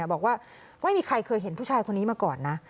บอกว่าไม่มีใครเคยเห็นผู้ชายคนนี้มาก่อนนะ